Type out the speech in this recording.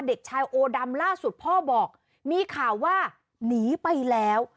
เด็กชายโอดำล่าสุดพ่อบอกมีข่าวว่าหนีไปแล้ว